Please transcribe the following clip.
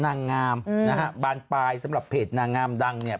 นางงามนะฮะบานปลายสำหรับเพจนางงามดังเนี่ย